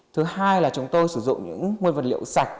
thứ hai là chúng tôi sử dụng những nguyên vật liệu sạch